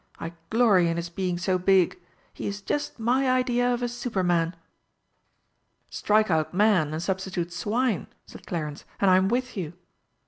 I glory in his being so big. He is just my idea of a superman!" "Strike out 'man' and substitute 'swine'!" said Clarence, "and I'm with you!"